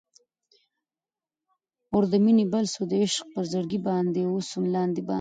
اور د مینی بل سو د عاشق پر زړګي باندي، اوسوم لاندی باندي